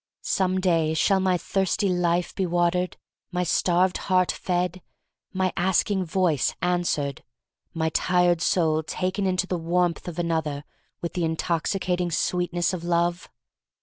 Some day, shall my thirsty life be watered, my starved heart fed, my ask ing voice answered, my tired soul taken into the warmth of another with the intoxicating sweetness of love?